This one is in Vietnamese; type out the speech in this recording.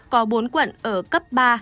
có bốn quận ở cấp ba